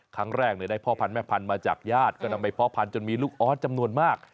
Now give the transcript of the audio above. ครั้งแรกได้พ่อพันธุมาจากญาติก็นำไปเพาะพันธุจนมีลูกออสจำนวนมาก